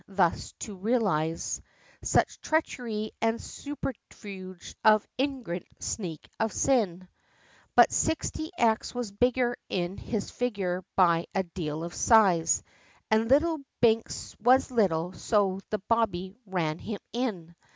thus to realize, Such treachery, and subterfuge, of ingrate sneak of sin, But 60 X was bigger in his figure, by a deal of size, And little Binks, was little, so the bobbie ran him in!